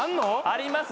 あります。